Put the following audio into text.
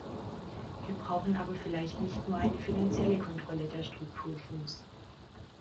Wir brauchen aber vielleicht nicht nur eine finanzielle Kontrolle der Strukturfonds.